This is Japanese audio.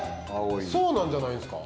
そうなんじゃないんですか？